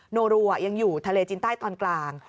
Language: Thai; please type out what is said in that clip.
โนรัวยังอยู่ทะเลจินใต้ตอนกลาง